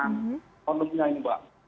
untungnya ini mbak